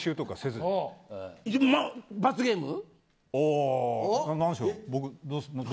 罰ゲーム。